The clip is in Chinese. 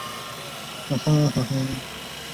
甘波早熟禾为禾本科早熟禾属下的一个种。